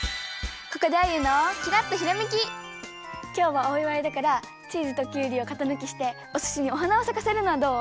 ここできょうはおいわいだからチーズときゅうりをかたぬきしておすしにおはなをさかせるのはどう？